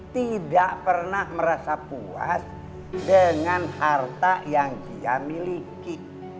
tidak pernah merasa puas dengan harta yang dia miliki